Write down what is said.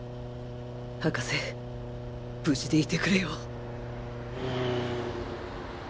博士無事でいてくれよ！